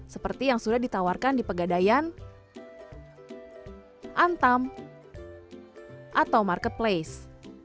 seperti yang sudah ditawarkan di pegadaian antam atau marketplace